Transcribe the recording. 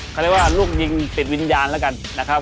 เขาเรียกว่าลูกยิงติดวิญญาณแล้วกันนะครับ